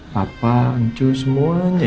papa ancu semuanya